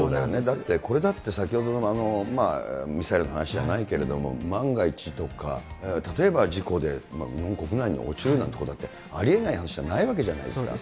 だって、これだって、先ほどのミサイルの話じゃないけれども、万が一どこか、例えば事故で日本国内に落ちるなんてことだって、ありえない話じゃないわけじゃないですか。